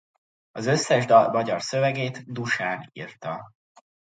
Az összes dal magyar szövegét Dusán írta.